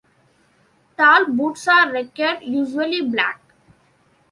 Tall boots are required, usually black.